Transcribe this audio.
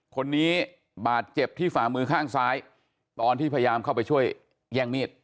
คนนี้บาดเจ็บที่ฝ่ามือข้างซ้ายตอนที่พยายามเข้าไปช่วยแย่งมีด